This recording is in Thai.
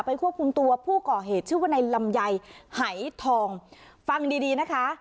ควบคุมตัวผู้ก่อเหตุชื่อว่าในลำไยหายทองฟังดีดีนะคะ